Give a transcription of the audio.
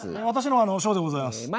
私の方は昇でございます。